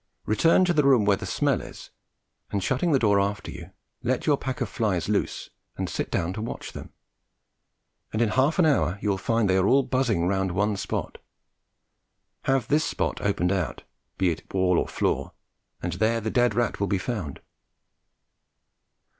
Return to the room where the smell is, and, shutting the door after you, let your pack of flies loose and sit down to watch them, and in half an hour you will find they are all buzzing round one spot. Have this spot opened out, be it wall or floor, and there the dead rat will be found.